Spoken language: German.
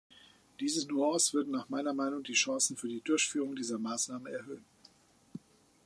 Diese Nuance würde nach meiner Meinung die Chancen für die Durchführung dieser Maßnahme erhöhen.